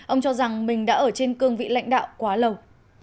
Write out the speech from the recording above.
ông cho rằng mình đã ở trên cương vị lãnh đạo quá lâu